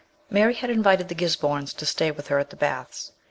Mary had invited the Gisbornes to stay with her at the Baths.